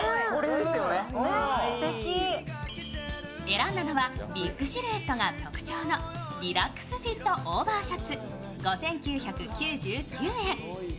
選んだのはビッグシルエットが特徴のリラックスフィットオーバーシャツ５９９９円。